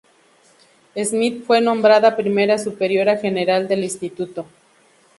Smith fue nombrada primera superiora general del instituto.